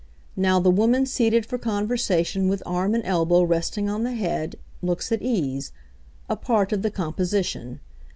Now the woman seated for conversation with arm and elbow resting on the head, looks at ease, a part of the composition.